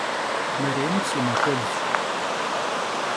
Merêmır si maxuelş.